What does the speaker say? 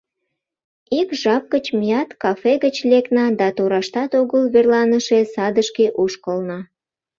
Ик жап гыч меат кафе гыч лекна да тораштат огыл верланыше садышке ошкылна.